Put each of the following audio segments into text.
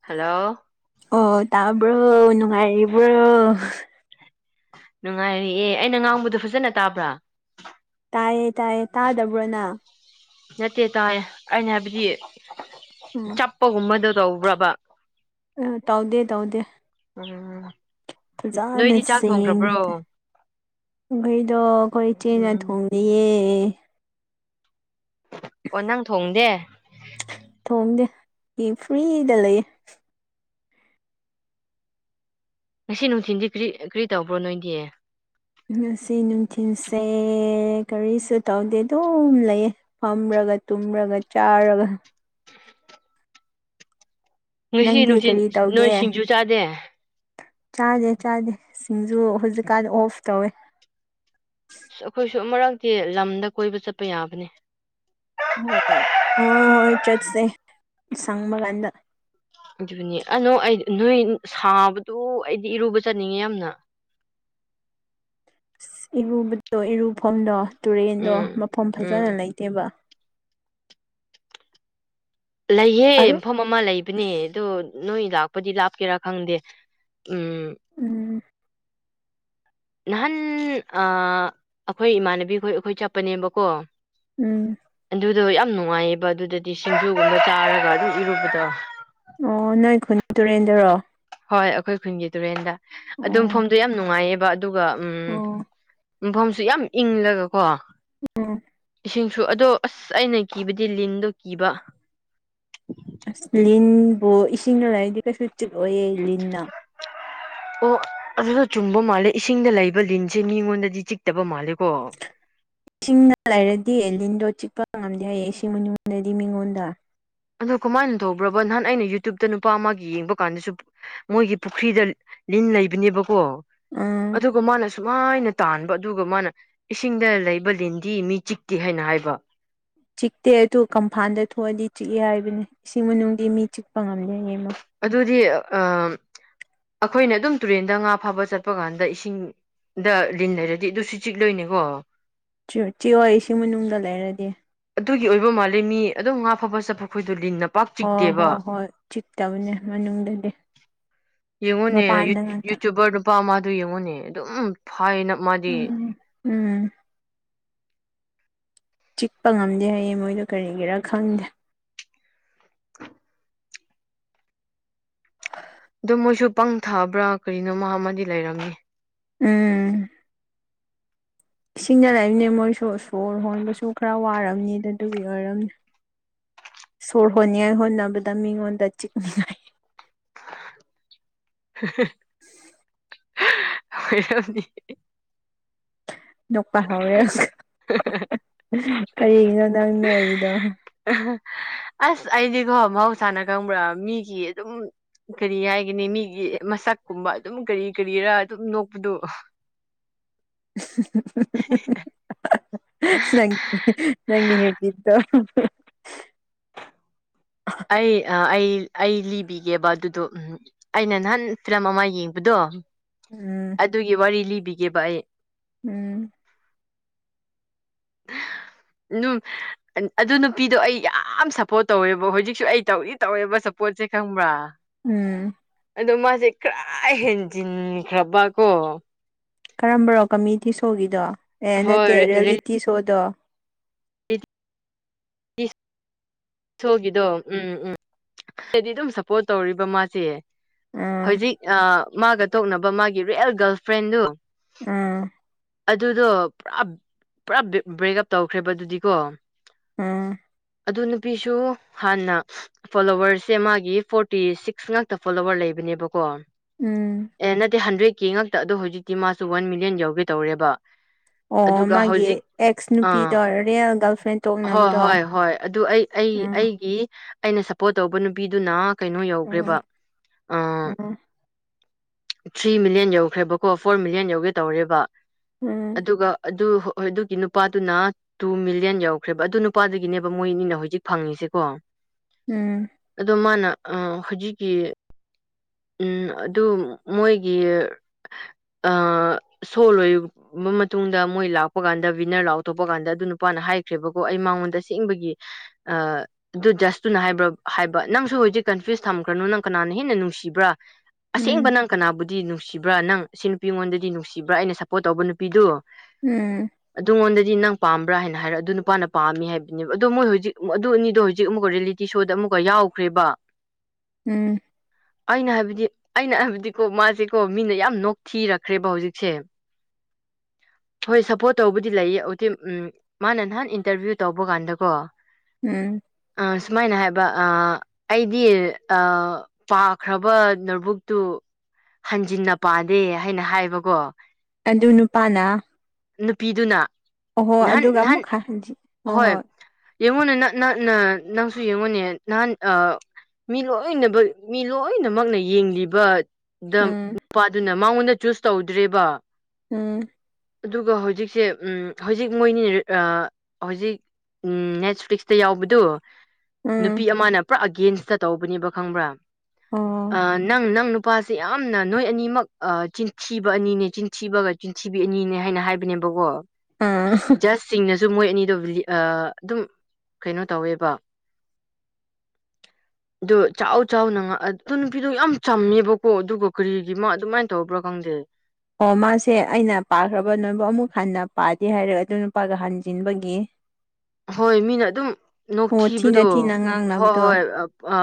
hello ꯑꯣ ꯇꯥꯕ꯭ꯔꯣ ꯅꯨꯡꯉꯥꯏꯔꯤꯕ꯭ꯔꯣ ꯅꯨꯡꯉꯥꯏꯔꯤ ꯑꯦ ꯑꯩꯅ ꯉꯥꯡꯕꯗꯣ ꯐꯖꯅ ꯇꯥꯕ꯭ꯔꯥ ꯇꯥꯏꯌꯦ ꯇꯥꯏꯌꯦ ꯇꯥꯗꯕ꯭ꯔꯣꯅꯪ ꯅꯠꯇꯦ ꯇꯥꯏ ꯑꯩꯅ ꯍꯥꯏꯕꯗꯤ ꯎꯝ ꯆꯞꯄꯒꯨꯝꯕꯗꯣ ꯇꯧꯕ꯭ꯔꯕꯥ ꯑ ꯇꯧꯗꯦ ꯇꯧꯗꯦ ꯎꯝ ꯐꯖꯅ ꯅꯣꯏꯗꯤ ꯆꯥꯛ ꯁꯦꯡꯅ ꯊꯣꯡꯈ꯭ꯔꯕ꯭ꯔꯣ ꯒꯔꯤꯗꯣ ꯑꯩꯈꯣꯏ ꯏꯆꯦꯅ ꯎꯝ ꯊꯣꯡꯉꯤꯌꯦ ꯑꯣ ꯅꯪ ꯊꯣꯡꯗꯦ ꯊꯣꯡꯗꯦ ꯐ꯭ꯔꯔꯤ ꯗ ꯂꯩꯌꯦ ꯉꯁꯤ ꯅꯨꯡꯊꯤꯟꯗꯤ ꯀꯔꯤ ꯀꯔꯤ ꯇꯧꯕ꯭ꯔꯣ ꯅꯣꯏꯗꯤ ꯉꯁꯤ ꯅꯨꯡꯊꯤꯜꯁꯦ ꯀꯔꯤꯁꯨ ꯇꯧꯗꯦ ꯑꯗꯨꯝ ꯂꯩ ꯐꯝꯔ ꯇꯨꯝꯔꯒ ꯆꯥꯔꯒ ꯉꯁꯤ ꯅꯪꯗꯤ ꯅꯨꯡꯊꯤꯟ ꯀꯔꯤ ꯅꯣꯏ ꯇꯧꯒꯦ ꯁꯤꯡꯖꯨ ꯆꯥꯗꯦ ꯆꯥꯗꯦ ꯆꯥꯗꯦ ꯁꯤꯡꯖꯨ ꯍꯧꯖꯤꯛꯀꯥꯟ ꯑꯣꯐ ꯇꯧꯋꯦ ꯑꯁ ꯑꯩꯈꯣꯏꯁꯨ ꯑꯃꯛꯔꯛꯇꯤ ꯂꯝꯗ ꯀꯣꯏꯕ ꯆꯠꯄ ꯌꯥꯕꯅꯤ ꯍ ꯍꯣꯏ ꯍꯣꯏ ꯆꯠꯁꯦ ꯁꯪꯕ ꯀꯥꯟꯗ ꯑꯗꯨꯅꯦ ꯑꯅꯣ ꯑꯩ ꯅꯣꯏ ꯁꯥꯕꯗꯨ ꯑꯩꯗꯤ ꯏꯔꯨꯕ ꯆꯠꯅꯤꯡꯉꯦ ꯌꯥꯝꯅ ꯏꯔꯨꯕꯗꯣ ꯏꯔꯨꯐꯝꯗꯣ ꯇꯨꯔꯦꯟꯗꯣ ꯎꯝ ꯃꯐꯝ ꯎꯝ ꯐꯖꯅ ꯂꯩꯇꯦꯕ ꯂꯩꯍꯦ ꯑꯔꯨ ꯃꯐꯝ ꯑꯃ ꯂꯩꯕꯅꯦ ꯑꯗ ꯅꯣꯏ ꯂꯥꯛꯄꯗꯤ ꯂꯥꯞꯀꯦꯔꯥ ꯈꯪꯗꯦ ꯎꯝ ꯎꯝ ꯅꯍꯥꯟ ꯑ ꯑꯩꯈꯣꯏ ꯏꯃꯥꯟꯅꯕꯤꯈꯣꯏ ꯑꯩꯈꯣꯏ ꯆꯠꯄꯅꯦꯕꯀꯣ ꯎꯝ ꯑꯗꯨꯗꯣ ꯌꯥꯝ ꯅꯨꯡꯉꯥꯏꯌꯦꯕ ꯑꯗꯨꯗꯗꯤ ꯁꯤꯡꯖꯨꯒꯨꯝꯕ ꯆꯥꯔꯒ ꯑꯗꯨꯝ ꯏꯔꯨꯕꯗꯣ ꯑꯣ ꯅꯣꯏ ꯈꯨꯟ ꯇꯨꯔꯦꯟꯗꯨꯔꯣ ꯍꯣꯏ ꯑꯩꯈꯣꯏ ꯈꯨꯟꯒꯤ ꯇꯨꯔꯦꯟꯗ ꯑꯗꯨꯝ ꯑꯣ ꯐꯝꯗꯣ ꯌꯥꯝ ꯅꯨꯡꯉꯥꯏꯌꯦꯕ ꯑꯗꯨꯒ ꯎꯝ ꯑꯣ ꯃꯐꯝꯁꯨ ꯌꯥꯝ ꯏꯪꯂꯒꯀꯣ ꯎꯝ ꯁꯤꯡꯁꯨ ꯑꯗꯣ ꯑꯁ ꯑꯩꯅ ꯀꯤꯕꯗꯤ ꯂꯤꯟꯗꯣ ꯀꯤꯕ ꯑꯁ ꯂꯤꯟꯕꯨ ꯏꯁꯤꯡꯅ ꯂꯥꯏꯔꯗꯤ ꯀꯩꯁꯨ ꯆꯤꯛꯂꯣꯢꯌꯦ ꯂꯤꯟꯅ ꯑꯣ ꯑꯗꯨꯗ ꯆꯨꯝꯕ ꯃꯥꯜꯂꯦ ꯏꯁꯤꯡꯗ ꯂꯩꯕ ꯂꯤꯟꯁꯦ ꯃꯤꯉꯣꯟꯗꯗꯤ ꯆꯤꯛꯇꯕ ꯃꯥꯜꯂꯦ ꯢꯁꯤꯡꯅ ꯂꯩꯔꯗꯤ ꯑꯦ ꯂꯤꯟꯗꯣ ꯆꯤ ꯄ ꯉꯝꯗꯦ ꯍꯌꯦ ꯏꯁꯤꯡ ꯃꯅꯨꯡꯗꯗꯤ ꯃꯤꯉꯣꯟꯗ ꯑꯗꯣ ꯀꯃꯥꯏꯅ ꯇꯧꯕ꯭ꯔꯕ ꯅꯍꯥꯟ ꯑꯩꯅ ꯌꯨꯇ꯭ꯌꯨꯕꯇ ꯅꯨꯄꯥ ꯑꯃꯒꯤ ꯌꯦꯡꯕ ꯀꯥꯟꯗꯁꯨ ꯃꯣꯏꯒꯤ ꯄꯨꯈ꯭ꯔꯤꯗ ꯂꯤꯟ ꯂꯩꯕꯅꯦꯕꯀꯣ ꯎꯝ ꯑꯗꯨꯒ ꯃꯥꯅꯁꯨ ꯁꯨꯃꯥꯏꯅ ꯇꯥꯟꯕ ꯑꯗꯨꯒ ꯃꯥꯅ ꯏꯁꯤꯡꯗ ꯂꯩꯕ ꯂꯤꯟꯗꯤ ꯃꯤ ꯆꯤꯛꯇꯦ ꯍꯥꯏꯅ ꯍꯥꯏꯕ ꯆꯤꯛꯇꯦ ꯑꯗꯨ ꯀꯝꯐꯥꯟꯗ ꯊꯣꯛꯑꯗꯤ ꯆꯤꯛꯑꯦ ꯍꯥꯏꯕꯅꯤ ꯏꯁꯤꯡ ꯃꯅꯨꯡꯗꯤ ꯃꯤ ꯆꯤꯛꯄ ꯉꯝꯗꯦ ꯃꯣꯏ ꯑꯗꯨꯗꯤ ꯑ ꯑꯩꯈꯣꯏꯅ ꯑꯗꯨꯝ ꯇꯨꯔꯦꯟꯗ ꯉꯥ ꯐꯥꯕ ꯆꯠꯄ ꯀꯥꯟꯗ ꯏꯁꯤꯡ ꯗ ꯂꯤꯟ ꯂꯩꯔꯗꯤ ꯑꯗꯨꯁꯨ ꯆꯤꯛꯂꯣꯏꯅꯦꯀꯣ ꯆꯤꯛ ꯆꯤꯛꯑꯣꯢ ꯏꯁꯤꯡ ꯃꯅꯨꯡꯗ ꯂꯩꯔꯗꯤ ꯑꯗꯨꯒꯤ ꯑꯣꯏꯕ ꯃꯥꯜꯂꯦ ꯃꯤ ꯑꯗꯨꯝ ꯉꯥ ꯐꯕ ꯆꯠꯄ ꯈꯣꯢ ꯍꯣꯏ ꯍꯣꯏ ꯍꯣꯏ ꯆꯤꯛ ꯇꯥꯕꯅꯤ ꯃꯅꯨꯡꯗꯗꯤ ꯌꯦꯡꯉꯨꯅꯦ ꯃꯄꯥꯟꯗ ꯉꯥꯛꯇ ꯌꯨꯇꯌꯨꯕꯔ ꯅꯨꯄꯥ ꯑꯃꯗꯨ ꯌꯦꯡꯉꯨꯅꯦ ꯑꯗꯨꯝ ꯍꯥꯏꯅ ꯃꯥꯗꯤ ꯎꯝ ꯎꯝ ꯆꯤꯛꯄ ꯉꯝꯗꯦ ꯍꯥꯏꯌꯦ ꯃꯣꯏꯗꯣ ꯀꯔꯤꯒꯤꯔꯥ ꯈꯪꯗꯦ ꯗꯨꯝ ꯃꯣꯏꯁꯨ ꯄꯪ ꯊꯕ꯭ꯔꯥ ꯀꯔꯤꯅꯣꯃ ꯑꯃꯗꯤ ꯂꯩꯔꯝꯃꯤ ꯎꯝ ꯏꯁꯤꯡꯗ ꯂꯩꯕꯅꯦ ꯃꯣꯏꯁꯨ ꯁꯣꯔ ꯍꯣꯟꯕꯁꯨ ꯈꯔ ꯋꯥꯔꯝꯅꯤ ꯑꯗꯨ ꯑꯗꯨꯒꯤ ꯑꯣꯏꯔꯝꯅꯤ ꯁꯣꯔ ꯍꯣꯟꯅꯤꯡꯉꯥꯏ ꯍꯣꯠꯅꯕꯗ ꯃꯤꯉꯣꯟꯗ ꯆꯤꯛꯅꯤꯡꯉꯥꯏ ꯑꯣꯢꯔꯝꯅꯤ ꯅꯣꯛꯄ ꯍꯧꯔꯦ ꯀꯔꯤꯒꯤꯅꯣ ꯅꯪ ꯅꯣꯛꯏꯗꯣ ꯑꯁ ꯑꯩꯗꯤꯀꯣ ꯃꯍꯧꯁꯥꯅ ꯈꯪꯕ꯭ꯔꯥ ꯃꯤꯒꯤ ꯑꯗꯨꯝ ꯀꯔꯤ ꯍꯥꯏꯒꯅꯤ ꯃꯤꯒꯤ ꯃꯁꯛꯀꯨꯝꯕ ꯑꯗꯨꯝ ꯀꯔꯤ ꯀꯔꯤꯔꯥ ꯑꯗꯨꯝ ꯅꯣꯛꯄꯗꯣ [inaudible] ꯑꯁ ꯅꯪ ꯅꯪꯒꯤ ꯕꯤꯠꯇꯣ [inaudible] ꯑꯩ ꯑ ꯑꯩ ꯑꯩ ꯂꯤꯕꯤꯒꯦꯕ ꯑꯗꯨꯗꯣ ꯎ ꯑꯩꯅ ꯅꯍꯥꯟ ꯐꯤꯂꯝ ꯑꯃ ꯌꯦꯡꯕꯗꯣ ꯎꯝ ꯑꯗꯨꯒꯤ ꯋꯥꯔꯤ ꯂꯤꯕꯤꯒꯦꯕ ꯑꯩ ꯎꯝ ꯅꯨ ꯑꯗꯨ ꯅꯨꯄꯤꯗꯣ ꯑꯩ ꯌꯥꯝ ꯁꯞꯄꯣꯔꯠ ꯇꯧꯋꯦꯕ ꯍꯧꯖꯤꯛ ꯀꯁꯨ ꯑꯩ ꯇꯧꯗꯤ ꯇꯧꯋꯦꯕ ꯁꯄꯣꯠꯁꯦ ꯈꯪꯕ꯭ꯔꯥ ꯎꯝ ꯑꯗꯣ ꯃꯥꯁꯦ ꯈꯔ ꯍꯦꯟꯖꯤꯟꯈ꯭ꯔꯕ ꯀꯣ ꯀꯔꯝꯕꯔꯣ ꯀꯃꯦꯗꯤ ꯁꯣꯒꯤꯗꯣ ꯑꯦ ꯅꯠꯇꯦ ꯍꯣꯏ ꯔꯦꯜꯂꯤꯇꯤ ꯁꯣꯗꯣ ꯕꯤꯁ ꯁꯣꯒꯤꯗꯣ ꯎꯝ ꯎꯝ ꯍꯥꯏꯗꯤ ꯑꯗꯨꯝ ꯁꯞꯄꯣꯔꯠ ꯇꯧꯔꯤꯕ ꯃꯥꯗꯤ ꯎꯝ ꯍꯧꯖꯤꯛ ꯑ ꯃꯥꯒ ꯇꯣꯛꯅꯕ ꯃꯥꯒꯤ ꯔꯤꯌꯦꯜ ꯒꯥꯔꯜ ꯐ꯭ꯔꯦꯟꯗꯨ ꯑꯥ ꯑꯗꯨꯗꯣ ꯄꯨꯔꯥ ꯄꯨꯔꯥ ꯕ꯭ꯔꯦꯛ ꯎꯞ ꯇꯧꯈ꯭ꯔꯦꯕ ꯑꯗꯨꯗꯤꯀꯣ ꯎꯝ ꯑꯗꯨ ꯅꯨꯄꯤꯁꯨ ꯍꯥꯟꯅ ꯐꯣꯂꯣꯋꯔꯁꯦ ꯃꯥꯒꯤ ꯐꯣꯔꯇꯤ ꯁꯤꯛꯁ ꯉꯥꯛꯇ ꯐꯣꯂꯣꯋꯔ ꯂꯩꯕꯅꯦꯕꯀꯣ ꯎꯝ ꯑꯦ ꯅꯠꯇꯦ ꯍꯟꯗ꯭ꯔꯦꯗꯀꯦ ꯈꯛꯇ ꯑꯗꯣ ꯍꯧꯖꯤꯛꯇꯤ ꯃꯥꯁꯨ ꯋꯥꯟ ꯃꯤꯂꯤꯌꯟ ꯌꯥꯎꯒꯦ ꯇꯧꯔꯦꯕ [inaudible] ꯑꯣ ꯑꯗꯨꯒ ꯃꯥꯒꯤ ꯍꯧꯖꯤꯛ ꯑꯦꯛꯁ ꯑꯥ ꯅꯨꯄꯤꯗꯣ ꯔꯤꯌꯦꯜ ꯒꯥꯔꯜꯐ꯭ꯔꯦꯟ ꯇꯣꯛꯅꯕꯗꯣ ꯀꯤ ꯎꯝ ꯑꯩꯒꯤ ꯑꯩꯅ ꯁꯞꯄꯣꯔꯠ ꯇꯧꯕ ꯅꯨꯄꯤꯗꯨꯅ ꯀꯩꯅꯣ ꯎꯝ ꯌꯧꯈ꯭ꯔꯦꯕ ꯑꯥ ꯊ꯭ꯔꯤ ꯃꯤꯂꯤꯌꯟ ꯌꯧꯈ꯭ꯔꯦꯕꯀꯣ ꯐꯣꯔ ꯃꯤꯂꯤꯌꯟ ꯌꯧꯒꯦ ꯇꯧꯔꯦꯕ ꯑꯗꯨꯒ ꯑꯗꯨ ꯍꯣꯏ ꯑꯗꯨꯒꯤ ꯅꯨꯄꯥꯗꯨꯅ ꯇꯨ ꯃꯤꯂꯤꯌꯟ ꯌꯧꯈ꯭ꯔꯦꯕ ꯑꯗꯨ ꯅꯨꯄꯥꯗꯒꯤꯅꯦꯕ ꯃꯣꯏꯅꯤꯅ ꯍꯧꯖꯤꯛ ꯐꯪꯉꯤꯁꯦꯀꯣ ꯑꯗꯣ ꯃꯥꯅ ꯑ ꯍꯧꯖꯤꯛꯀꯤ ꯎꯝ ꯑꯗꯨ ꯃꯣꯏꯒꯤ ꯑ ꯁꯣꯜ ꯑꯣꯢ ꯃ ꯃꯇꯨꯡꯗ ꯃꯣꯏ ꯂꯥꯛꯄ ꯀꯥꯟꯗ ꯋꯤꯟꯅꯔ ꯂꯥꯎꯊꯣꯛꯄ ꯀꯥꯟꯗ ꯑꯗꯨ ꯅꯨꯄꯥꯅ ꯍꯥꯏꯈ꯭ꯔꯦꯕꯀꯣ ꯑꯩ ꯃꯉꯣꯟꯗ ꯁꯦꯡꯕꯒꯤ ꯑ ꯑꯗꯨ ꯖꯁꯇꯨꯅ ꯍꯥꯏꯕ꯭ꯔꯣ ꯍꯥꯏꯕ ꯅꯪꯁꯨ ꯍꯧꯖꯤꯛ ꯀꯟꯐ꯭ꯌꯨꯁ ꯊꯝꯈ꯭ꯔꯅꯣ ꯅꯪ ꯀꯅꯥꯅ ꯍꯦꯟꯅ ꯅꯨꯡꯁꯤꯕ꯭ꯔꯥ ꯑꯁꯦꯡꯕ ꯅꯪ ꯀꯅꯥꯕꯨꯗꯤ ꯅꯨꯡꯁꯤꯕ꯭ꯔꯥ ꯅꯪ ꯁꯤ ꯅꯨꯄꯤꯉꯣꯟꯗꯗꯤ ꯅꯨꯡꯁꯤꯕ꯭ꯔꯥ ꯑꯩꯅ ꯁꯞꯄꯣꯔꯠ ꯇꯧꯕ ꯅꯨꯄꯤꯗꯨ ꯑꯗꯨꯉꯣꯟꯗꯗꯤ ꯅꯪ ꯄꯥꯝꯕ꯭ꯔꯥ ꯍꯥꯏꯅ ꯍꯥꯏꯔ ꯑꯗꯨ ꯅꯨꯄꯥꯅ ꯄꯥꯝꯃꯤ ꯍꯥꯏꯕꯅꯦꯕ ꯑꯗꯣ ꯃꯣꯏ ꯍꯧꯖꯤꯛ ꯑꯗꯨ ꯑꯅꯤꯗꯣ ꯍꯧꯖꯤꯛ ꯑꯃꯨꯛꯀ ꯔꯤꯌꯦꯂꯤꯇꯤ ꯁꯣꯗ ꯑꯃꯨꯛꯀ ꯌꯥꯎꯈ꯭ꯔꯦꯕ ꯎꯝ ꯑꯩꯅ ꯍꯥꯏꯕꯗꯤ ꯑꯩꯅ ꯍꯥꯏꯕꯗꯤꯀꯣ ꯃꯥꯁꯦꯀꯣ ꯃꯤꯅ ꯌꯥꯝ ꯅꯣꯛꯊꯤꯔꯛꯈ꯭ꯔꯦꯕ ꯍꯧꯖꯤꯛꯁꯦ [inaudible] ꯍꯣꯏ ꯁꯞꯄꯣꯔꯠ ꯇꯧꯕꯗꯤ ꯂꯩꯌꯦ ꯍꯧꯖꯤꯛ ꯎꯝ ꯃꯥꯅ ꯅꯍꯥꯟ ꯏꯟꯇꯔꯚꯤꯌꯨ ꯇꯧꯕ ꯀꯥꯟꯗꯀꯣ ꯑꯥ ꯁꯨꯃꯥꯏꯅ ꯍꯥꯏꯕ ꯑ ꯑꯩꯗꯤ ꯑ ꯄꯥꯈ꯭ꯔꯕ ꯅꯣꯠꯕꯨꯛꯇꯨ ꯍꯟꯖꯤꯟꯅ ꯄꯥꯗꯦ ꯍꯥꯏꯅ ꯍꯥꯏꯕꯀꯣ ꯑꯗꯨ ꯅꯨꯄꯥꯅ ꯅꯨꯄꯤꯗꯨꯅ ꯑꯣꯍꯣ ꯅꯍꯥꯟ ꯑꯗꯨꯒ ꯅꯍꯥꯟ ꯑꯃꯨꯛ ꯍꯟꯖꯤ ꯍꯣꯏ ꯑꯍꯣꯏ ꯍꯣꯏ ꯌꯦꯡꯉꯣꯅꯦ ꯅ ꯅꯍꯥꯠꯅ ꯅꯪꯁꯨ ꯌꯦꯡꯉꯨꯅꯦ ꯅꯍꯥꯟ ꯑꯥ ꯃꯤ ꯂꯣꯏꯅꯃꯛ ꯃꯤ ꯂꯣꯏꯅꯃꯛꯅ ꯌꯦꯡꯂꯤꯕ ꯗ ꯎꯝ ꯅꯨꯄꯥꯗꯨꯅ ꯃꯉꯣꯟꯗ ꯆꯨꯁ ꯇꯧꯗ꯭ꯔꯤꯕ ꯎꯝ ꯑꯗꯨꯒ ꯍꯧꯖꯤꯛꯁꯦ ꯎ ꯍꯧꯖꯤꯛ ꯃꯣꯏꯅꯤꯅ ꯍꯧꯖꯤꯛ ꯅꯦꯠ ꯐꯂꯤꯛꯁ ꯇ ꯌꯥꯎꯕꯗꯨ ꯎꯝ ꯅꯨꯄꯤ ꯑꯃꯅ ꯄꯨꯔꯥ ꯑꯒꯦꯟꯁꯇ ꯇꯧꯕꯅꯦꯕ ꯈꯪꯕ꯭ꯔꯥ ꯑ ꯑꯣ ꯅꯪ ꯅꯪ ꯅꯨꯄꯥꯁꯦ ꯌꯥꯝꯅ ꯅꯣꯏ ꯑꯅꯤꯃꯛ ꯑ ꯆꯤꯟꯊꯤꯕ ꯑꯅꯤꯅꯦ ꯆꯤꯟꯊꯤꯕꯒ ꯆꯤꯟꯊꯤꯕꯤ ꯑꯅꯤꯅꯦ ꯍꯥꯏꯅ ꯍꯥꯏꯕꯅꯦꯕꯀꯣ ꯑꯥ ꯖꯁꯁꯤꯡꯅꯁꯨ ꯃꯣꯏ ꯑꯅꯤꯗꯣ ꯑ ꯑꯗꯨꯝ ꯀꯩꯅꯣ ꯇꯧꯋꯦꯕ [inaudible] ꯑꯗꯣ ꯆꯥꯎ ꯆꯥꯎꯅꯣ ꯑꯗꯨ ꯅꯨꯄꯤꯗꯣ ꯌꯥꯝ ꯆꯝꯃꯦꯕꯀꯣ ꯑꯗꯨꯒ ꯀꯔꯤꯒꯤꯃ ꯑꯗꯨꯃꯥꯏ ꯇꯧꯕ꯭ꯔꯥ ꯀꯣ ꯈꯪꯗꯦ ꯑꯣ ꯃꯥꯁꯦ ꯑꯩꯅ ꯄꯥꯈ꯭ꯔꯕ ꯅꯣꯏꯕꯨ ꯑꯃꯨꯛ ꯍꯟꯅ ꯄꯥꯗꯦ ꯍꯥꯏꯔꯛ ꯑꯗꯨ ꯅꯨꯄꯥꯒ ꯍꯟꯖꯤꯟꯕꯒꯤ ꯍꯣꯏ ꯃꯤꯅ ꯑꯗꯨꯝ ꯑꯣ ꯊꯤꯅ ꯅꯣꯛꯊꯤꯕꯗꯣ ꯊꯤꯅ ꯍꯣꯏ ꯉꯥꯡꯅꯕꯗꯣ ꯍꯣꯏ ꯑ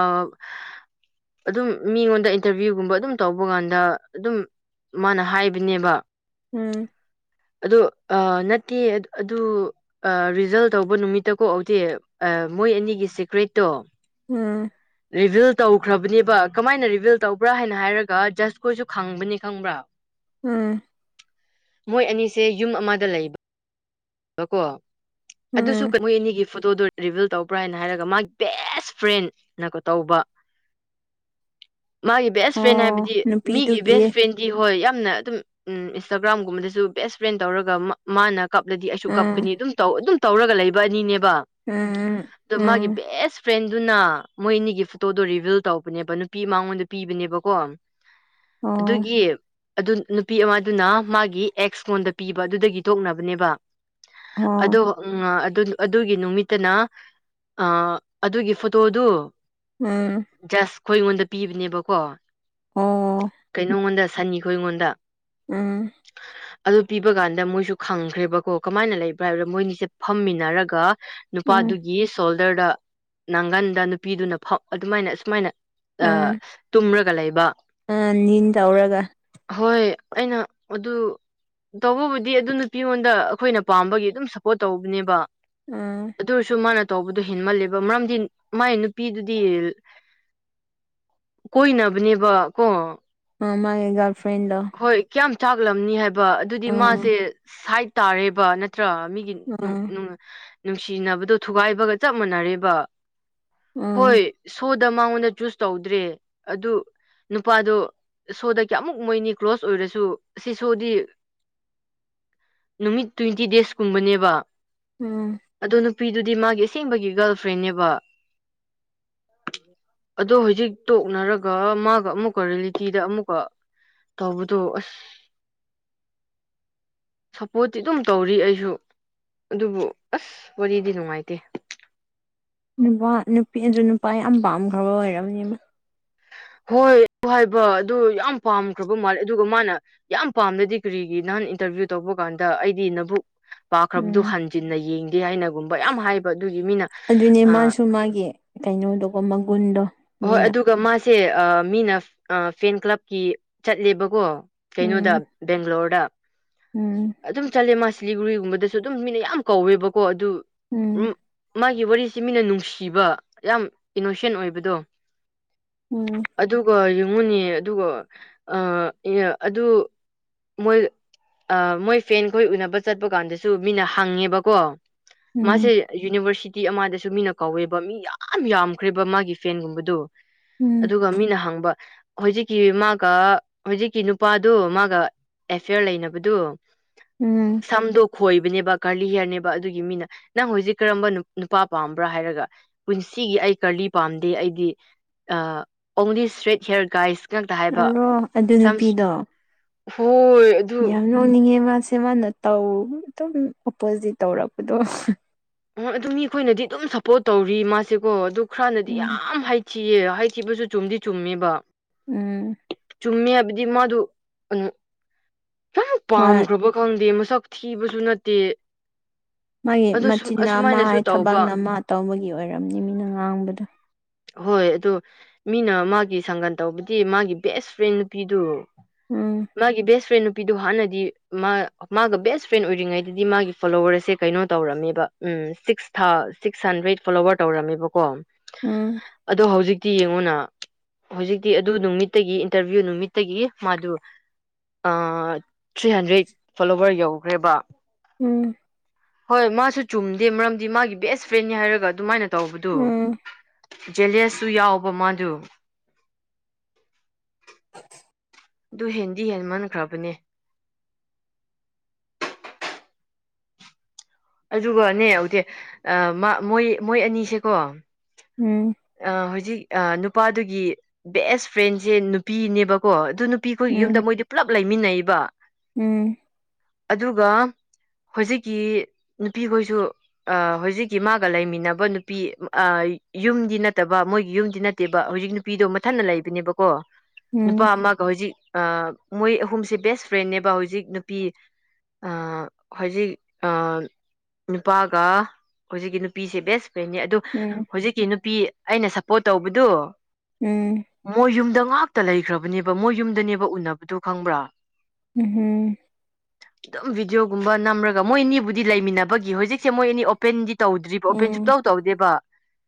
ꯑꯗꯨꯝ ꯃꯤꯉꯣꯟꯗ ꯏꯟꯇꯔꯚꯤꯌꯨꯒꯨꯝꯕ ꯑꯗꯨꯝ ꯇꯧꯕ ꯀꯥꯟꯗ ꯑꯗꯨꯝ ꯃꯥꯅ ꯍꯥꯏꯕꯅꯦꯕ ꯎꯝ ꯑꯗꯨ ꯑ ꯅꯠꯇꯦ ꯑꯗꯨ ꯑ ꯔꯤꯖꯜ ꯇꯧꯕ ꯅꯨꯃꯤꯠꯇꯀꯣ ꯑꯣꯗꯤ ꯑ ꯃꯣꯏ ꯑꯅꯤꯒꯤ ꯁꯤꯦꯀ꯭ꯔꯦꯠꯇꯣ ꯎꯝ ꯔꯤꯚꯤꯜ ꯇꯧꯈ꯭ꯔꯕꯅꯦꯕ ꯀꯃꯥꯏꯅ ꯔꯤꯚꯤꯜ ꯇꯧꯕ꯭ꯔꯥ ꯍꯥꯏꯅ ꯍꯥꯏꯔꯒ ꯖꯁꯈꯣꯏꯁꯨ ꯈꯪꯕꯅꯦ ꯈꯪꯕ꯭ꯔꯥ ꯎꯝ ꯃꯣꯏ ꯑꯅꯤꯁꯦ ꯌꯨꯝ ꯑꯃꯗ ꯂꯩꯕꯕꯀꯣ ꯑꯗꯨꯁꯨ ꯎꯝ ꯀꯃ ꯃꯣꯢꯅꯤꯒꯤ ꯐꯣꯇꯣꯗꯣꯔꯤꯚꯤꯜ ꯇꯧꯕ꯭ꯔꯥ ꯍꯥꯏꯅ ꯍꯥꯏꯔꯒ ꯃꯥꯒꯤ ꯕꯦꯁ ꯐ꯭ꯔꯦꯟꯅꯀꯣ ꯇꯧꯕ [inaudible] ꯃꯥꯒꯤ ꯕꯦꯁ ꯐ꯭ꯔꯦꯟ ꯑꯣ ꯍꯥꯏꯕꯗꯤ ꯃꯤꯒꯤ ꯅꯨꯄꯤꯗꯨꯒꯤ ꯕꯦꯁ ꯐ꯭ꯔꯦꯟꯗꯤ ꯍꯣꯏ ꯌꯥꯝ ꯌꯥꯝꯅ ꯑꯗꯨꯝ ꯎꯝ ꯏꯟꯁꯇꯥꯒ꯭ꯔꯥꯝꯒꯨꯝꯕꯗꯁꯨ ꯕꯦꯁ ꯐ꯭ꯔꯦꯟ ꯇꯧꯔꯒ ꯃꯥꯅ ꯀꯞ ꯂꯗꯤ ꯑꯩꯁꯨ ꯎꯝ ꯀꯞꯀꯅꯤ ꯑꯗꯨꯝ ꯇꯧ ꯑꯗꯨꯝ ꯇꯧꯔꯒ ꯂꯩꯕ ꯑꯅꯤꯅꯦꯕ ꯎꯝ ꯑꯗꯣ ꯃꯥꯒꯤ ꯎꯝ ꯕꯦꯁ ꯐ꯭ꯔꯦꯟꯗꯨꯅ ꯃꯣꯏ ꯑꯅꯤꯒꯤ ꯐꯣꯇꯣꯗꯣ ꯔꯤꯚꯤꯜ ꯇꯧꯕꯅꯦꯕ ꯅꯨꯄꯤ ꯃꯉꯣꯟꯗ ꯄꯤꯕꯅꯦꯕꯀꯣ ꯑꯣ ꯑꯗꯨꯒꯤ ꯑꯗꯨ ꯅꯨꯄꯤ ꯑꯃꯗꯨꯅ ꯃꯥꯒꯤ ꯑꯦꯛꯁ ꯀꯣꯟꯗ ꯄꯤꯕ ꯑꯗꯨꯗꯒꯤ ꯇꯣꯛꯅꯕꯅꯦꯕ ꯑꯣ ꯑꯗꯣ ꯑ ꯑꯗꯨꯒꯤ ꯅꯨꯃꯤꯠꯇꯅ ꯑ ꯑꯗꯨꯒꯤ ꯐꯣꯇꯣꯗꯨ ꯎꯝ ꯑꯩꯈꯣꯏ ꯑꯩꯉꯣꯟꯗ ꯄꯤꯕꯅꯦꯕꯀꯣ ꯑꯣ ꯀꯩꯅꯣꯉꯣꯟꯗ ꯁꯟꯅꯤ ꯈꯣꯏ ꯉꯣꯟꯗ ꯑꯝ ꯑꯗꯨ ꯄꯤꯕ ꯀꯥꯟꯗ ꯃꯣꯏꯁꯨ ꯈꯪꯈ꯭ꯔꯦꯕꯀꯣ ꯀꯃꯥꯏꯅ ꯂꯩꯕ꯭ꯔꯥ ꯍꯥꯏꯔꯣꯔ ꯃꯣꯏꯅꯤꯁꯦ ꯐꯝꯃꯤꯟꯅꯔꯒ ꯎꯝ ꯅꯨꯄꯥꯗꯨꯒꯤ ꯁꯣꯜꯗꯔꯗ ꯅꯪꯒꯟꯗ ꯅꯨꯄꯤꯗꯨꯅ ꯐꯝ ꯑꯗꯨꯃꯥꯏꯅ ꯁꯨꯃꯥꯏꯅ ꯑ ꯇꯨꯝꯔꯒ ꯂꯩꯕ ꯑ ꯅꯤꯟ ꯇꯧꯔꯒ ꯍꯣꯏ ꯑꯩꯅ ꯑꯗꯨ ꯇꯧꯕꯕꯨꯗꯤ ꯑꯗꯨ ꯅꯨꯄꯤꯉꯣꯟꯗ ꯑꯩꯈꯣꯏꯅ ꯄꯥꯝꯕꯒꯤ ꯑꯗꯨꯝ ꯁꯞꯄꯣꯔꯠ ꯇꯧꯕꯅꯦꯕ ꯑꯥ ꯑꯗꯨ ꯑꯣꯢꯔꯁꯨ ꯃꯥꯅ ꯇꯧꯕꯗꯣ ꯍꯦꯟꯃꯜꯂꯦꯕ ꯃꯔꯝꯗꯤ ꯃꯥꯏ ꯅꯨꯄꯤꯗꯨꯗꯤ ꯀꯣꯏ ꯅꯕꯅꯦꯕ ꯀꯣ ꯑ ꯃꯥꯒꯤ ꯒꯔꯜ ꯐ꯭ꯔꯦꯟꯗꯣ ꯍꯣꯏ ꯀꯌꯥꯝ ꯆꯥꯛꯂꯝꯅꯤ ꯍꯥꯏꯕ ꯑꯗꯨꯗꯤ ꯑꯥ ꯃꯥꯁꯦ ꯁꯥꯏꯠ ꯇꯥꯔꯦꯕ ꯅꯠ ꯅꯠꯇ꯭ꯔꯥ ꯃꯤꯒꯤ ꯑꯥ ꯅꯨꯡꯁꯤꯅꯕꯗꯣ ꯊꯨꯒꯥꯏꯕꯒ ꯆꯞ ꯃꯥꯟꯅꯔꯦꯕ ꯑꯥ ꯍꯣꯏ ꯁꯨꯗ ꯃꯉꯣꯟꯗ ꯆꯨꯁ ꯇꯧꯗ꯭ꯔꯦ ꯑꯗꯨ ꯅꯨꯄꯥꯗꯣ ꯁꯨꯗ ꯀꯌꯥꯃꯨꯛ ꯃꯣꯏꯅꯤ ꯀ꯭ꯂꯣꯁ ꯑꯣꯏꯔꯁꯨ ꯁꯤ ꯁꯨꯗꯤ [inaudible] ꯅꯨꯃꯤꯠ ꯇ꯭ꯋꯦꯟꯇꯤ ꯗꯦꯖꯀꯨꯝꯕꯅꯦꯕ ꯎꯝ ꯑꯗꯣ ꯅꯨꯄꯤꯗꯨꯗꯤ ꯃꯥꯒꯤ ꯑꯁꯦꯡꯕꯒꯤ ꯒꯥꯔꯜ ꯐ꯭ꯔꯦꯟꯅꯦꯕ ꯑꯗꯣ ꯍꯧꯖꯤꯛ ꯇꯣꯛꯅꯔꯒ ꯃꯥꯒ ꯑꯃꯨꯛꯀ ꯔꯤꯌꯦꯂꯤꯇꯤꯗ ꯑꯃꯨꯛꯀ ꯇꯧꯕꯗꯨ ꯑꯁ [inaudible] ꯄꯣꯠꯇꯤ ꯑꯗꯨꯝ ꯇꯧꯔꯤ ꯑꯩꯁꯨ ꯑꯗꯨꯕꯨ ꯑꯁ ꯋꯥꯔꯤꯗꯤ ꯅꯨꯡꯉꯥꯏꯇꯦ ꯅꯨꯄꯥ ꯅꯨꯄꯤ ꯑꯗꯨ ꯅꯨꯄꯥ ꯌꯥꯝ ꯄꯥꯝꯈ꯭ꯔꯕ ꯑꯣꯏꯔꯝꯅꯤ ꯍꯣꯏ ꯑꯗꯨ ꯍꯥꯏꯕ ꯑꯗꯨ ꯌꯥꯝ ꯄꯥꯝꯈ꯭ꯔꯕ ꯃꯥꯜꯂꯦ ꯑꯗꯨꯒ ꯃꯥꯅ ꯌꯥꯝ ꯄꯥꯝꯂꯗꯤ ꯀꯔꯤꯒꯤ ꯅꯍꯥꯟ ꯏꯟꯇ꯭ꯔꯚꯤꯌꯨ ꯑꯗꯨ ꯇꯧꯕ ꯀꯥꯟꯗ ꯑꯩꯗꯤ ꯅꯕꯨꯛ ꯄꯥꯈ꯭ꯔꯕꯗꯨ ꯎꯝ ꯍꯟꯖꯤꯟꯅ ꯌꯦꯡꯉꯤ ꯌꯥꯏꯅꯒꯨꯝꯕ ꯌꯥꯝ ꯍꯥꯏꯕ ꯑꯗꯨꯒꯤ ꯃꯤꯅ ꯑꯗꯨꯅꯦ ꯑ ꯃꯥꯁꯨ ꯃꯥꯒꯤ ꯀꯩꯅꯣꯗꯣꯀꯣ ꯃꯒꯨꯟꯗꯣ ꯍꯣꯏ ꯃꯤꯅ ꯑꯗꯨꯒ ꯃꯥꯁꯦ ꯑ ꯃꯤꯅ ꯑ ꯐꯦꯟ ꯀ꯭ꯂꯕꯀꯤ ꯆꯠꯂꯦꯕꯀꯣ ꯀꯩꯅꯣꯗ ꯎꯝ ꯕꯦꯡꯒ꯭ꯂꯣꯔꯗ ꯎꯝ ꯑꯗꯨꯝ ꯆꯠꯂꯦ ꯃꯥꯁ ꯁꯤꯂꯤꯒꯨꯔꯤꯒꯨꯝꯕꯗꯁꯨ ꯑꯗꯨꯝ ꯃꯤꯅ ꯌꯥꯝ ꯀꯧꯋꯦꯕꯀꯣ ꯑꯗꯨ ꯎꯝ ꯃꯥꯒꯤ ꯋꯥꯔꯤꯁꯤ ꯃꯤꯅ ꯅꯨꯡꯁꯤꯕ ꯌꯥꯝ ꯏꯅꯣꯁꯦꯟ ꯑꯣꯏꯕꯗꯣ ꯎꯝ ꯑꯗꯨꯒ ꯌꯦꯡꯉꯨꯅꯦ ꯑꯗꯨꯒ ꯑ ꯌꯥ ꯑꯗꯨ ꯃꯣꯏ ꯑ ꯃꯣꯏ ꯐꯦꯟ ꯈꯣꯏ ꯎꯅꯕ ꯆꯠꯄ ꯀꯥꯟꯗꯁꯨ ꯃꯤꯅ ꯍꯪꯉꯦꯕꯀꯣ ꯃꯥꯁꯦ ꯎꯝ ꯌꯨꯅꯤꯚꯔꯁꯤꯇꯤ ꯑꯃꯗꯁꯨ ꯃꯤꯅ ꯀꯧꯋꯦꯕ ꯃꯤ ꯌꯥꯝ ꯌꯥꯝꯈ꯭ꯔꯦꯕ ꯃꯥꯒꯤ ꯐꯦꯟꯒꯨꯝꯕ ꯗꯨ ꯎꯝ ꯑꯗꯨꯒ ꯃꯤꯅ ꯍꯪꯕ ꯍꯧꯖꯤꯛꯀꯤ ꯃꯥꯒ ꯍꯧꯖꯤꯛꯀꯤ ꯅꯨꯄꯥꯗꯨ ꯃꯥꯒ ꯑꯦꯐꯤꯌꯔ ꯂꯩꯅꯕꯗꯨ ꯎꯝ ꯁꯝꯗꯨꯛ ꯈꯣꯏꯕꯅꯦꯕ ꯀ꯭ꯔꯂꯤ ꯍꯤꯌ꯭ꯔꯅꯦꯕ ꯑꯗꯨꯒꯤ ꯃꯤꯅ ꯅꯪ ꯍꯨꯖꯤꯛ ꯀꯔꯝꯕ ꯅꯨꯄꯥ ꯄꯥꯝꯕ꯭ꯔꯥ ꯍꯥꯏꯔꯒ ꯄꯨꯟꯁ ꯁꯤꯒꯤ ꯑꯩ ꯀꯔꯂꯤ ꯄꯥꯝꯗꯦ ꯑꯩꯗꯤ ꯑꯣꯡꯂꯤ ꯁ꯭ꯇ꯭ꯔꯦꯠ ꯍꯤꯌꯔ ꯒꯥꯏꯁ ꯖꯟꯇ ꯍꯥꯏꯕ ꯑꯗꯣ ꯑꯗꯨ ꯁꯝ ꯅꯨꯄꯤꯗꯣ ꯍꯣꯏ ꯑꯗꯨ ꯌꯥꯝ ꯅꯣꯡꯅꯤꯡꯉꯦ ꯃꯥꯁꯦ ꯃꯥꯅ ꯇꯧ ꯑꯗꯨꯝ ꯑꯣꯄꯣꯖꯤꯠ ꯇꯧꯔꯛꯄꯗꯣ ꯑꯣ ꯑꯗꯨ ꯃꯤꯈꯣꯏꯅꯗꯤ ꯑꯗꯨꯝ ꯁꯄꯣꯔꯠ ꯇꯧꯔꯤ ꯃꯥꯁꯦꯀꯣ ꯑꯗꯨ ꯈꯔꯅꯗꯤ ꯎꯝ ꯌꯥꯝ ꯍꯥꯏꯊꯤꯌꯦ ꯍꯩꯊꯤꯕꯁꯨ ꯆꯨꯝꯗꯤ ꯆꯨꯝꯃꯦꯕ ꯎꯝ ꯆꯨꯝꯃꯦ ꯍꯥꯏꯕꯗꯤ ꯃꯥꯗꯨ ꯎꯟ ꯌꯥꯝ ꯍꯣꯏ ꯄꯥꯝꯈ꯭ꯔꯕ ꯈꯪꯗꯦ ꯃꯁꯛ ꯊꯤꯕꯁꯨ ꯅꯠꯇꯦ ꯃꯥꯒꯤ ꯑꯗꯨ ꯃꯆꯤꯟꯅ ꯑꯃ ꯑꯁꯨꯃꯥꯏꯅꯁꯨ ꯍꯥꯏ ꯇꯧꯕ ꯊꯕꯛꯅ ꯑꯃ ꯇꯧꯕꯒꯤ ꯑꯣꯏꯔꯝꯅꯤ ꯃꯤꯅ ꯉꯥꯡꯕꯗꯣ ꯍꯣꯏ ꯑꯗꯣ ꯃꯤꯅ ꯃꯥꯒꯤ ꯁꯪꯒꯟ ꯇꯧꯕꯗꯤ ꯃꯥꯒꯤ ꯕꯦꯁ ꯐ꯭ꯔꯦꯟ ꯅꯨꯄꯤꯗꯨ ꯎꯝ ꯃꯥꯒꯤ ꯕꯦꯁꯐ꯭ꯔꯦꯟ ꯅꯨ|| ꯄꯤꯗꯣ ꯍꯥꯟꯅꯗꯤ ꯃꯥ ꯃꯥꯒ ꯕꯦꯁ ꯐ꯭ꯔꯦꯟ ꯑꯣꯏꯔꯤꯉꯩꯗꯗꯤ ꯃꯥꯒꯤ ꯐꯣꯂꯣꯋ꯭ꯔꯁꯁꯦ ꯀꯩꯅꯣ ꯇꯧꯔꯝꯃꯦꯕ ꯎꯝ ꯁꯤꯁ ꯊꯥ ꯁꯤꯁ ꯍꯟꯗ꯭ꯔꯦꯗ ꯐꯣꯂꯣꯋ꯭ꯔꯁ ꯇꯧꯔꯝꯃꯦꯕꯀꯣ ꯎꯝ ꯑꯗꯣ ꯍꯧꯖꯤꯛ ꯇꯤ ꯌꯦꯡꯉꯨꯅ ꯍꯧꯖꯤꯛꯇꯤ ꯑꯗꯨ ꯅꯨꯃꯤꯠꯇꯒꯤ ꯏꯟꯇ꯭ꯔꯚꯤꯌꯨ ꯅꯨꯃꯤꯠꯇꯒꯤ ꯃꯥꯗꯨ ꯑ ꯍꯣ ꯍꯣꯏ ꯊ꯭ꯔꯤꯍꯟꯗ꯭ꯔꯦꯗ ꯐꯣꯂꯣꯋ꯭ꯔ ꯌꯧꯒ꯭ꯔꯦꯕ ꯎꯝ ꯍꯣꯏ ꯃꯥꯁꯨ ꯆꯨꯝꯗꯦ ꯃꯔꯝꯗꯤ ꯃꯥꯒꯤ ꯕꯦꯁ ꯐ꯭ꯔꯦꯟꯅꯤ ꯍꯥꯏꯔꯒ ꯑꯗꯨꯃꯥꯏꯅ ꯇꯧꯕꯗꯨ ꯎꯝ ꯖꯦꯂꯤꯌꯁ ꯇꯨ ꯌꯥꯎꯕꯃꯥꯁꯨ ꯑꯗꯨ ꯍꯦꯟꯗꯤ ꯍꯦꯟꯃꯟꯈ꯭ꯔꯕꯅꯦ ꯑꯗꯨꯒꯅꯦ ꯍꯧꯖꯤꯛ ꯑ ꯃꯣꯏ ꯃꯣꯏ ꯑꯅꯤꯁꯦꯀꯣ ꯎꯝ ꯍꯧꯖꯤꯛ ꯅꯨꯄꯥꯗꯨꯒꯤ ꯕꯦꯁ ꯐ꯭ꯔꯦꯟꯁꯦ ꯅꯨꯄꯤꯅꯦꯕꯀꯣ ꯑꯗꯨ ꯅꯨꯄ|| ꯅꯨꯄꯤꯈꯣꯏꯒꯤ ꯌꯨꯝꯗ ꯎꯝ ꯃꯣꯏꯗꯤ ꯄꯨꯜꯂꯞ ꯂꯩꯃꯤꯟꯅꯩꯕ ꯎꯝ ꯑꯗꯨꯒ ꯍꯧꯖꯤꯛꯀꯤ ꯅꯨꯄꯤꯈꯣꯏꯁꯨ ꯑ ꯍꯧꯖꯤꯛꯀꯤ ꯃꯥꯒ ꯂꯩꯃꯤꯟꯅꯕ ꯅꯨꯄꯤ ꯑꯥ ꯌꯨꯝꯗꯤ ꯅꯠꯇꯕ ꯃꯣꯏꯒꯤ ꯌꯨꯝꯗꯤ ꯅꯠꯇꯦꯕ ꯍꯧꯖꯤꯛ ꯅꯨꯄꯤꯗꯣ ꯃꯊꯟꯅ ꯂꯩꯕꯅꯦꯕꯀꯣ ꯅꯨꯄꯥ ꯎꯝ ꯎꯝ ꯑꯃꯒ ꯍꯧꯖꯤꯛ ꯑ ꯃꯣꯏ ꯑꯍꯨꯝꯁꯦ ꯕꯦꯁ ꯐ꯭ꯔꯦꯟꯅꯕ ꯍꯧꯖꯤꯛ ꯅꯨꯄꯤ ꯍꯧꯖꯤꯛ ꯑ ꯅꯨꯄꯥꯒ ꯍꯧꯖꯤꯛꯀꯤ ꯅꯨꯄꯤꯁꯦ ꯕꯦꯁ ꯀꯩꯅꯤ ꯑꯗꯨ ꯎꯝ ꯍꯨꯖꯤꯛꯀꯤ ꯅꯨꯄꯤ ꯑꯩꯅ ꯁꯄꯣꯔꯠ ꯇꯧꯕꯗꯨ ꯃꯣꯏ ꯌꯨꯝꯗ ꯉꯥꯛꯇ ꯂꯩꯈ꯭ꯔꯕꯅꯦꯕ ꯃꯣꯏ ꯌꯨꯝꯗꯅꯦꯕ ꯎꯅꯕꯗꯨ ꯈꯪꯕ꯭ꯔꯥ ꯎꯝ ꯑꯗꯨꯝ ꯚꯤꯗꯤꯑꯣꯒꯨꯝꯕ ꯅꯝꯔꯒ ꯃꯣꯏ ꯑꯅꯤꯕꯨꯗꯤ ꯂꯩꯃꯤꯟꯅꯕꯒꯤ ꯍꯧꯖꯤꯛꯁꯦ ꯃꯣꯏ ꯑꯅꯤ ꯑꯣꯄꯦꯟꯗꯤ ꯇꯧꯗ꯭ꯔꯤꯕ ꯑꯣꯄꯦꯟ ꯎꯝ ꯁꯨꯛꯇꯧ ꯇꯧꯗꯦꯕ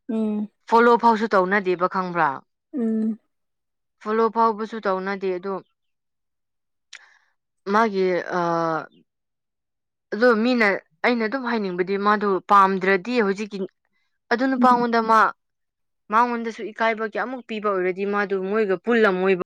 ꯎꯝ ꯎꯝ ꯐꯣꯂꯣ ꯐꯥꯎꯁꯨ ꯇꯧꯅꯗꯦꯕ ꯈꯪꯕ꯭ꯔꯥ ꯎꯝ ꯐꯣꯂꯣ ꯐꯥꯎꯕꯁꯨ ꯇꯧꯅꯗꯦ ꯑꯗꯣ ꯃꯥꯒꯤ ꯑ ꯑꯗꯣ ꯃꯤꯅ ꯑꯩꯅ ꯑꯗꯨꯝ ꯍꯥꯏꯅꯤꯡꯕꯗꯤ ꯃꯥꯗꯣ ꯄꯥꯝꯗ꯭ꯔꯗꯤ ꯍꯧꯖꯤꯛꯀꯤ ꯑꯗꯨ ꯅꯨꯄꯥꯉꯣꯟꯗ ꯃꯥ ꯃꯉꯣꯟꯗꯁꯨ ꯏꯀꯥꯏꯕ ꯀꯌꯥꯃꯨꯛ ꯄꯤꯕ ꯑꯣꯏꯔꯗꯤ ꯃꯥꯗꯨ ꯃꯣꯏꯒ ꯄꯨꯜꯂꯝꯃꯣꯏꯕ